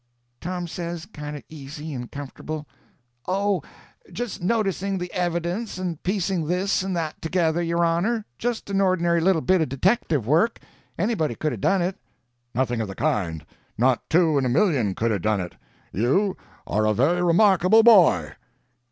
Tom says, kind of easy and comfortable: "Oh, just noticing the evidence and piecing this and that together, your honor; just an ordinary little bit of detective work; anybody could 'a' done it." "Nothing of the kind! Not two in a million could 'a' done it. You are a very remarkable boy."